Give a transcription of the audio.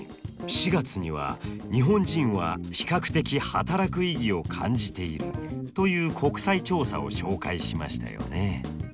４月には日本人は比較的働く意義を感じているという国際調査を紹介しましたよね。